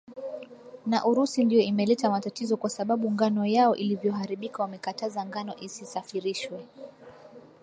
na urusi ndio imeleta matatizo kwa sababu ngano yao ilivyoharibika wamekataza ngano isisafirishwe